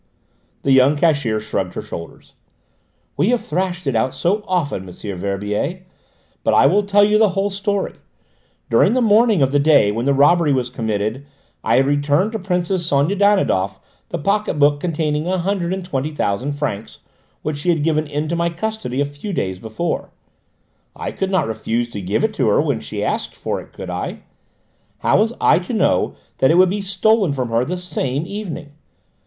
The young cashier shrugged her shoulders. "We have thrashed it out so often, M. Verbier! But I will tell you the whole story: during the morning of the day when the robbery was committed I had returned to Princess Sonia Danidoff the pocket book containing a hundred and twenty thousand francs which she had given into my custody a few days before; I could not refuse to give it to her when she asked for it, could I? How was I to know that it would be stolen from her the same evening?